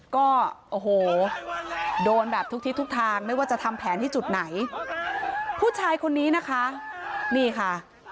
ก็โอ้โหโดนแบบทุกทิศทุกทางไม่ว่าจะทำแผนที่จุดไหนผู้ชายคนนี้นะคะนี่ค่ะ